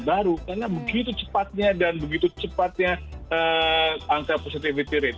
karena begitu cepatnya dan begitu cepatnya angka positivity rate